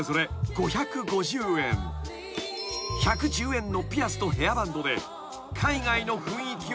［１１０円のピアスとヘアバンドで海外の雰囲気をミックス］